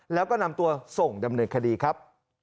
แล้วก็นำตัวส่งดำเนินคดีครับ